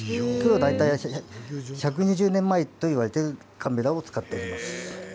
大体１２０年前といわれているカメラを使っています。